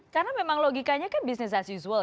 karena memang logikanya kan bisnis as usual